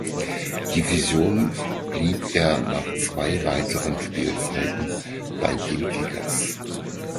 Division blieb er noch zwei weitere Spielzeiten bei den Kickers.